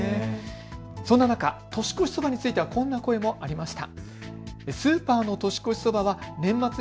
そんな中、年越しそばについてはこんな声もありました。